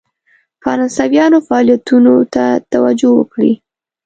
فرانسویانو فعالیتونو ته توجه وکړي.